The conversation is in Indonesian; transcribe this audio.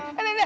eh enak enak